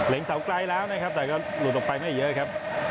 ลิงสาวใกล้แล้วนะครับแต่ลูดออกไปไม่เยอะ